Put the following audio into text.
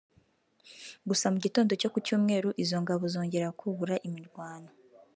gusa mu gitondo cyo ku Cyumweru izo ngabo zongera kubura imirwano